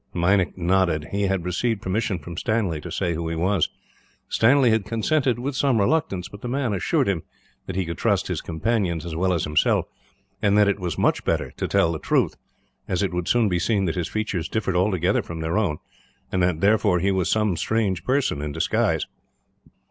Meinik nodded. He had received permission from Stanley to say who he was. Stanley had consented with some reluctance, but the man assured him that he could trust his companions, as well as himself; and that it was much better to tell the truth, as it would soon be seen that his features differed altogether from their own and that, therefore, he was some strange person in disguise.